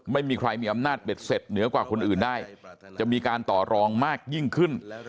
ไม่มีใครมีอำนาจเบ็ดเสร็จเหนือกว่าคนอื่นได้จะมีการต่อรองมากยิ่งขึ้น